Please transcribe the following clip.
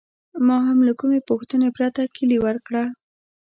ما هم له کومې پوښتنې پرته کیلي ورکړه.